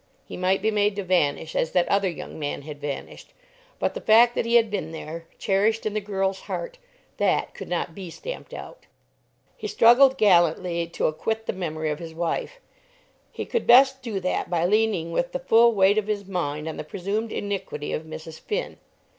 He might be made to vanish as that other young man had vanished. But the fact that he had been there, cherished in the girl's heart, that could not be stamped out. He struggled gallantly to acquit the memory of his wife. He could best do that by leaning with the full weight of his mind on the presumed iniquity of Mrs. Finn.